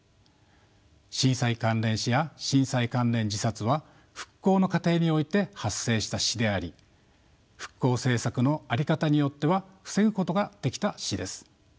震災関連死や震災関連自殺は復興の過程において発生した死であり復興政策の在り方によっては防ぐことができた死です。